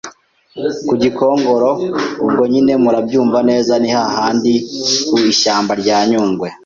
ku GIKONGORO, ubwo nyine murabyumva neza ni ha handi ku ishyamba rya Nyungwe